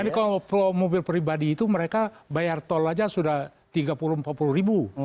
jadi kalau mobil pribadi itu mereka bayar tol saja sudah tiga puluh empat puluh ribu